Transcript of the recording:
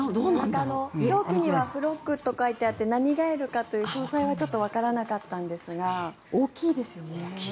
表記にはフロッグと書いてあって何ガエルかという詳細はわからなかったんですが大きいですよね。